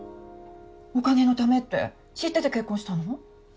お金のためって知ってて結婚したの？